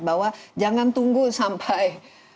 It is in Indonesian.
bahwa jangan tunggu sampai